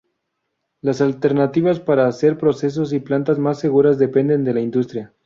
Las alternativas para hacer procesos y plantas más seguras dependen de la industria.